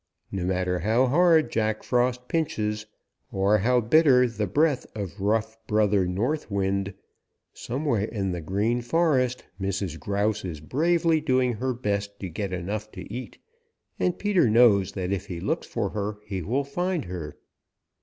No matter how hard Jack Frost pinches, or how bitter the breath of rough Brother North Wind, somewhere in the Green Forest Mrs. Grouse is bravely doing her best to get enough to eat, and Peter knows that if he looks for her he will find her.